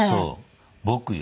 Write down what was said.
「僕」よ。